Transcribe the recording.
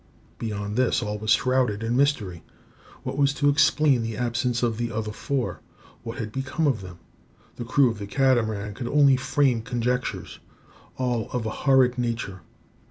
Beyond this all was shrouded in mystery. What was to explain the absence of the other four? What had become of them? The crew of the Catamaran could only frame conjectures, all of a horrid nature.